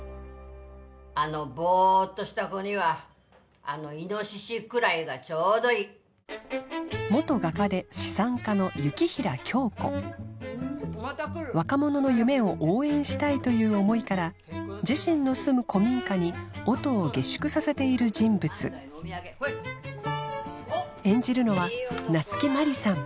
あのボーッとした子にはあのイノシシくらいがちょうどいい元画家で資産家の雪平響子若者の夢を応援したいという思いから自身の住む古民家に音を下宿させている人物演じるのは夏木マリさん